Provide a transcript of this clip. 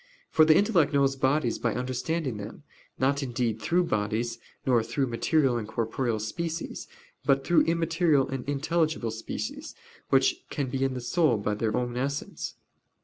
For the intellect knows bodies by understanding them, not indeed through bodies, nor through material and corporeal species; but through immaterial and intelligible species, which can be in the soul by their own essence.